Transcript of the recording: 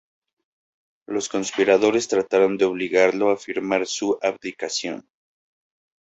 Los conspiradores trataron de obligarlo a firmar su abdicación.